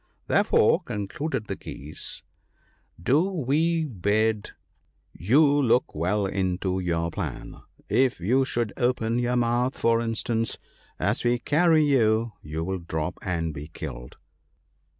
Therefore," concluded the Geese, " do we bid PEACE. " 121 you look well into your plan : if you should open your mouth, for instance, as we carry you, you will drop and be killed."